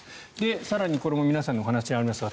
更にこれも皆さんお話がありましたが